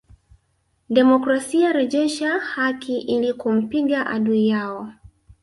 Demokrasia rejesha haki ili kumpiga adui yao